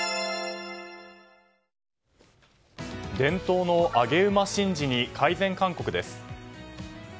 伝統の上げ馬神事に改善勧告です。